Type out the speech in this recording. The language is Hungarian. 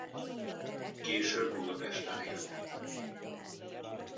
Később Budapesten élt.